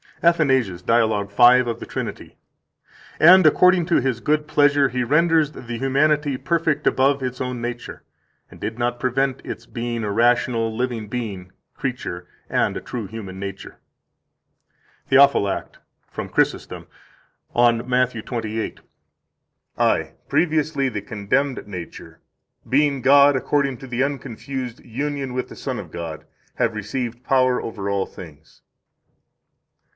155 ATHANASIUS, Dialog 5, Of the Trinity (t. 2, f. 257, ed. Colon.): "And according to His good pleasure He renders the humanity perfect above its own nature, and did not prevent its being a rational living being [creature, and a true human nature]." 156 THEOPHYLACT, from Chrysostom, on Matt. 28 (p. 184): "I, previously the condemned nature, being God according to the unconfused union with the Son of God, have received power over all things."